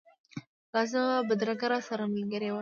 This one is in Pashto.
لازمه بدرګه راسره ملګرې وه.